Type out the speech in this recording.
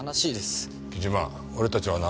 俺たちはな。